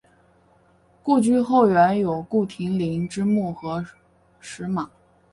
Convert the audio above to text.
故居后园有顾亭林之墓和石马。